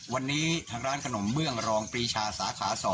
วันนี้ทางร้านขนมเบื้องรองปรีชาสาขา๒